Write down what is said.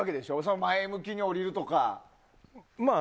前向きに下りるとか。